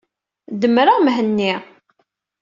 Demmreɣ Mhenni.